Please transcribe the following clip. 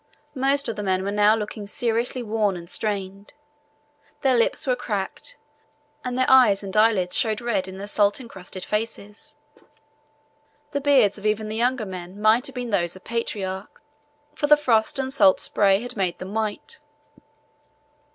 Most of the men were now looking seriously worn and strained. Their lips were cracked and their eyes and eyelids showed red in their salt encrusted faces. The beards even of the younger men might have been those of patriarchs, for the frost and the salt spray had made them white.